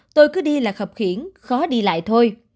tôi cứ đi là khập khiển khó đi lại thôi